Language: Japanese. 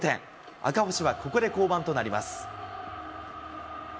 赤星はここで降板となります。